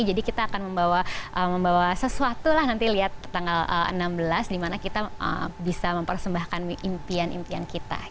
jadi kita akan membawa sesuatu lah nanti lihat tanggal enam belas dimana kita bisa mempersembahkan impian impian kita